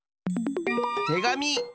てがみ！